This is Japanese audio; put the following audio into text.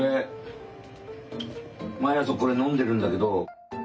毎朝これ飲んでるんだけど。